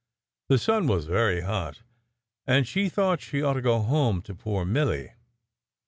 The sun was very hot, and she thought she ought to go home to poor Milly.